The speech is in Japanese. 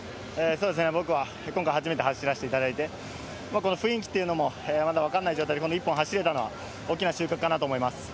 僕は今回初めて走らせていただいてこの雰囲気というのもまだわからない状態でこの１本を走れたのは大きな収穫かなと思います。